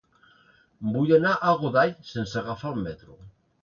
Vull anar a Godall sense agafar el metro.